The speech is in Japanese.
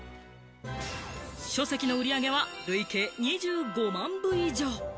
書籍の売り上げは累計２５万部以上。